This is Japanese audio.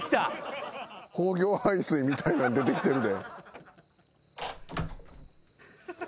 工業廃水みたいなん出てきてるで。